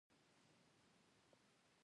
کاروان د مصر په لور روان وي.